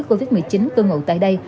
covid một mươi chín tương ụ tại đây